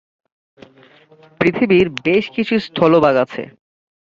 পৃথিবীর বেশ কিছু স্থলভাগ আছে।